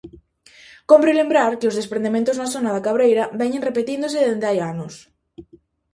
Cómpre lembrar que os desprendementos na zona da cabreira veñen repetíndose dende hai anos.